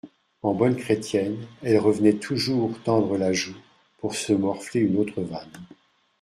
En bonne chrétienne, elle revenait toujours tendre la joue pour se morfler une autre vanne.